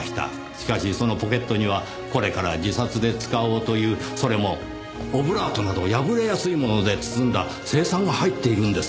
しかしそのポケットにはこれから自殺で使おうというそれもオブラートなど破れやすいもので包んだ青酸が入っているんですよ。